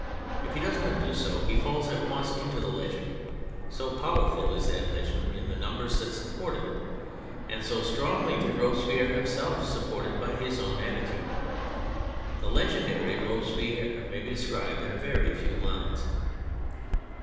If he does not do so he falls at once into the legend; so powerful is that legend in the numbers that supported it, and so strongly did Robespierre himself support it by his own attitude. The legendary Robespierre may be described in a very few lines.